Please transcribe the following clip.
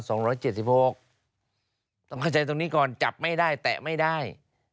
ต้องเข้าใจตรงนี้ก่อนจับไม่ได้แตะไม่ได้